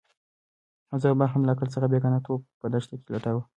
حمزه بابا هم له عقل څخه بېګانه توب په دښته کې لټاوه.